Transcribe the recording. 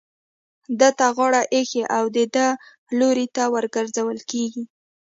ده ته غاړه ايښې او د ده لوري ته ورگرځول كېږي.